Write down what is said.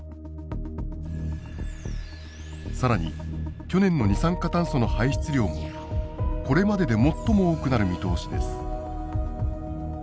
更に去年の二酸化炭素の排出量もこれまでで最も多くなる見通しです。